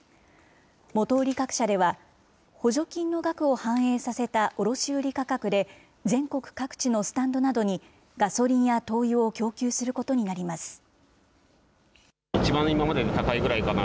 元売り各社では、補助金の額を反映させた卸売り価格で、全国各地のスタンドなどにガソリンや灯油を供給することになります。